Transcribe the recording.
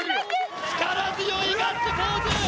力強いガッツポーズ。